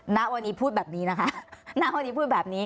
ณวันนี้พูดแบบนี้นะคะ